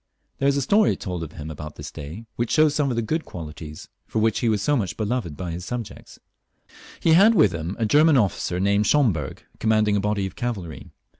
There is a story told of him this day, which, shows some of the good qualities for which he was so much beloved by his subjects. He had with him a German officer, named Schomberg, commanding a body of cavalry.